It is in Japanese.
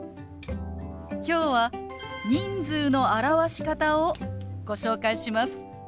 今日は人数の表し方をご紹介します。